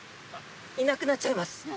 いなくなっちゃいます。